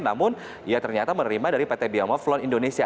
namun ia ternyata menerima dari pt biomoblone indonesia